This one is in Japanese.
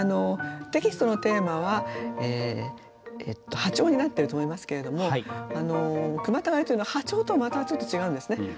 テキストのテーマは破調になっていると思いますけれども句またがりというのは破調とはまたちょっと違うんですね。